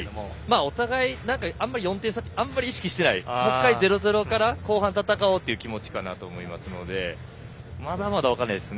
お互い、あまり４点差ってあまり意識してなくてもう１回０−０から後半、戦おうという気持ちかなと思いますのでまだまだ分からないですね。